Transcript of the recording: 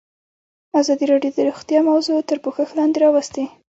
ازادي راډیو د روغتیا موضوع تر پوښښ لاندې راوستې.